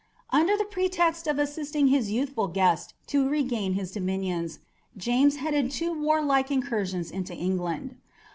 Under the pretext of assisting his youthful guest to regain his dominions, James headed two warlike incursions into England.